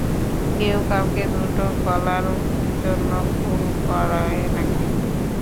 কেউ কাউকে দুটো কলার জন্য খুন করে নাকি?